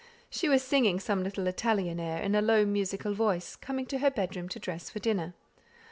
She was singing some little Italian air in a low musical voice, coming to her bedroom to dress for dinner.